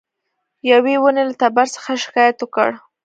یوې ونې له تبر څخه شکایت وکړ.